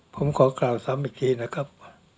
ผมขอกล่าวซ้ำอีกทีนะครับ